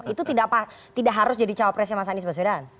itu tidak harus jadi cawapresnya mas anies baswedan